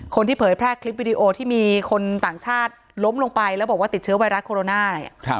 คนที่ผลแพร่คลิปวิดีโอที่มีคนต่างชาติล้มลงไปและบอกว่าติดเชื้อวัยรัสโคลนา